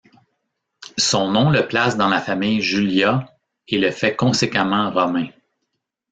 Son nom le place dans la famille Julia, et le fait conséquemment Romain.